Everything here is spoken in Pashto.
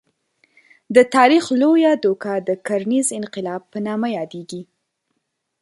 د تاریخ لویه دوکه د کرنیز انقلاب په نامه یادېږي.